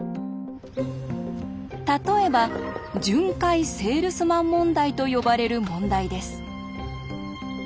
例えば「巡回セールスマン問題」と呼ばれる問題です。